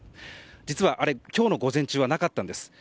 実は、あれ今日の午前中はなかったんです。